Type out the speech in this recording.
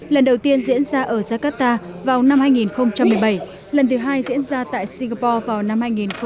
lần đầu tiên diễn ra ở jakarta vào năm hai nghìn một mươi bảy lần thứ hai diễn ra tại singapore vào năm hai nghìn một mươi tám